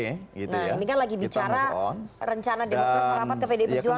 nah ini kan lagi bicara rencana demokrat merapat ke pdi perjuangan